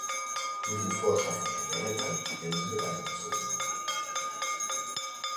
Mit dem Vorschlag von Herrn Gallagher werden sie mit einbezogen.